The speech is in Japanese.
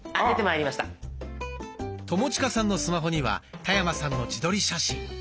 友近さんのスマホには田山さんの自撮り写真。